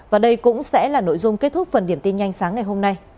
và đây cũng sẽ là nội dung kết thúc phần điểm tin nhanh sáng ngày hôm nay